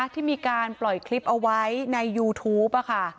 ที่มีการปล่อยคลิปเอาไว้ในยูทูป